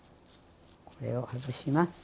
これを外します。